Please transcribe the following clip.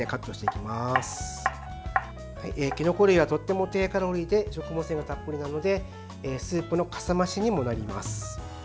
きのこ類はとても低カロリーで食物繊維がたっぷりなのでスープのかさ増しにもなります。